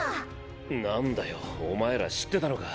何だよお前ら知ってたのか。